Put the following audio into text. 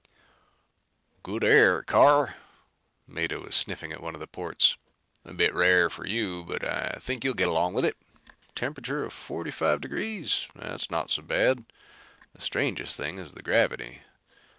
"Good air, Carr." Mado was sniffing at one of the ports. "A bit rare for you, but I think you'll get along with it. Temperature of forty five degrees. That's not so bad. The strangest thing is the gravity.